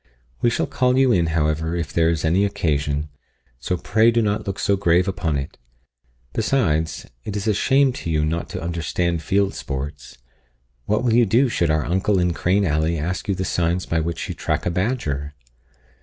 We shall call you in, however, if there is any occasion; so pray do not look so grave upon it. Besides, it is a shame to you not to understand field sports What will you do should our uncle in Crane Alley ask you the signs by which you track a badger?"